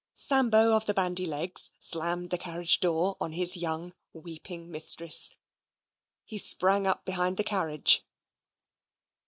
Sambo of the bandy legs slammed the carriage door on his young weeping mistress. He sprang up behind the carriage.